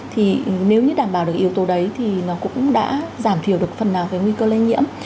thì nếu như đảm bảo được yếu tố đấy thì nó cũng đã giảm thiểu được phần nào cái nguy cơ lây nhiễm